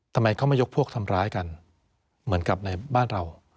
ทำไมเขาไม่ยกพวกทำร้ายกันเหมือนกับในบ้านเรา